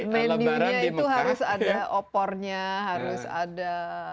menu nya itu harus ada opornya harus ada